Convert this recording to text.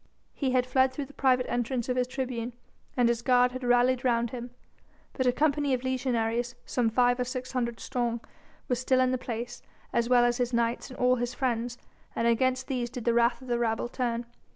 He had fled through the private entrance of his tribune, and his guard had rallied round him. But a company of legionaries some five or six hundred strong was still in the place, as well as his knights and all his friends, and against these did the wrath of the rabble turn.